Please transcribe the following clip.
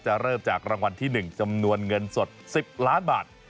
จะเริ่มจากรางวัลที่หนึ่งจำนวนเงินสดสิบล้านบาท